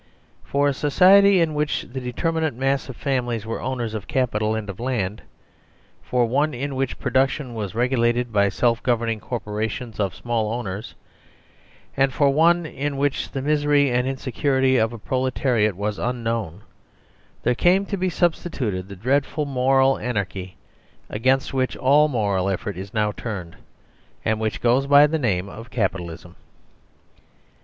For a society in which the determinant mass of families were owners of capital and of land; for one in which production was regulated by self governing corporations of small owners ; an4 for one in which the misery and insecurity of a proletariat was un known, there came to be substituted the dreadful moral anarchy against which all moral effort is now turned, and which goes by the name of Capitalism.